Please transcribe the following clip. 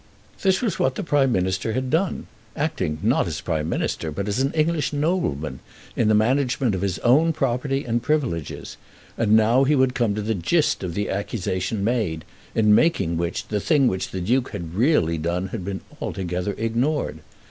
"This was what the Prime Minister had done, acting not as Prime Minister, but as an English nobleman, in the management of his own property and privileges. And now he would come to the gist of the accusation made; in making which, the thing which the Duke had really done had been altogether ignored.